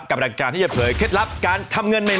รายการที่จะเผยเคล็ดลับการทำเงินใหม่